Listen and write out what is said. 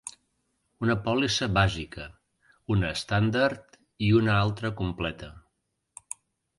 Una pòlissa bàsica, una estàndard i una altra completa.